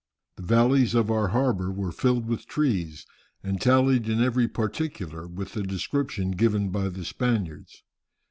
The valleys of our harbour were filled with trees, and tallied in every particular with the description given by the Spaniards.